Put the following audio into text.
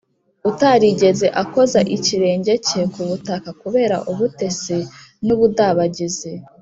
utarigeze akoza ikirenge cye ku butaka kubera ubutesi n’ubudabagizi